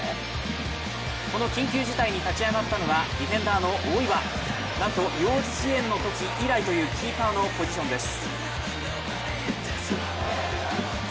この緊急事態に立ち上がったのはディフェンダーの大岩、なんと幼稚園のとき依頼というキーパーのポジションです。